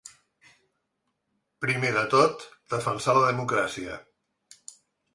Primer de tot, defensar la democràcia.